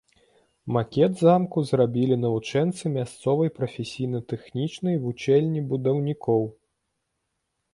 Макет замку зрабілі навучэнцы мясцовай прафесійна-тэхнічнай вучэльні будаўнікоў.